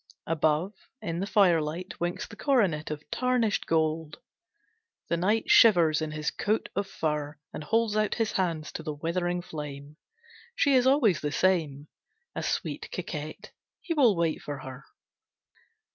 Above, in the firelight, winks the coronet of tarnished gold. The knight shivers in his coat of fur, and holds out his hands to the withering flame. She is always the same, a sweet coquette. He will wait for her.